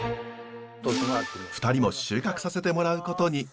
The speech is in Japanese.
２人も収穫させてもらうことに。